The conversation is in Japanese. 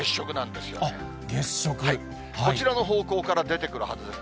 こちらの方向から出てくるはずです。